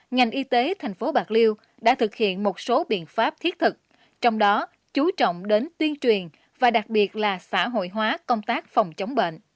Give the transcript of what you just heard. ngành y tế thành phố bạc liêu đã thực hiện một số biện pháp thiết thực trong đó chú trọng đến tuyên truyền và đặc biệt là xã hội hóa công tác phòng chống bệnh